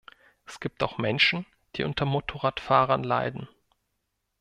Es gibt auch Menschen, die unter Motorradfahrern leiden.